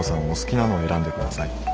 お好きなのを選んでください。